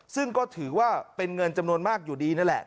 ซึ่งก็ถือว่าเป็นเงินจำนวนมากอยู่ดีนั่นแหละ